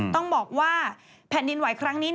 ต้องบอกว่าแผ่นดินไหวครั้งนี้